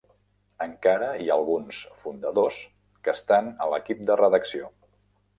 Encara hi ha alguns fundadors que estan a l'equip de redacció.